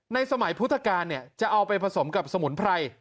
สมัยพุทธกาลจะเอาไปผสมกับสมุนไพร